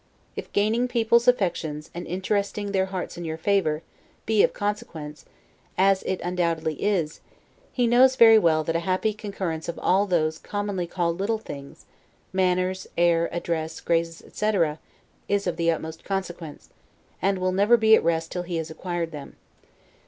If gaining people's affections, and interesting their hearts in your favor, be of consequence, as it undoubtedly is, he knows very well that a happy concurrence of all those, commonly called little things, manners, air, address, graces, etc., is of the utmost consequence, and will never be at rest till he has acquired them.